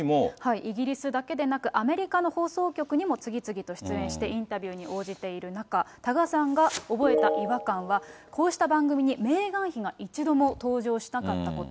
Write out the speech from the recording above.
イギリスだけでなく、アメリカの放送局にも次々と出演して、インタビューに応じている中、多賀さんが覚えた違和感は、こうした番組にメーガン妃が一度も登場しなかったこと。